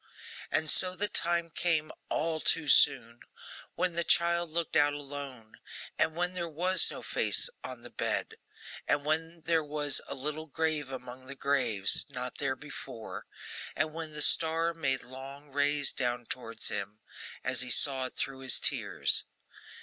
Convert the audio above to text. And so the time came all too soon! when the child looked out alone, and when there was no face on the bed; and when there was a little grave among the graves, not there before; and when the star made long rays down towards him, as he saw it through his tears.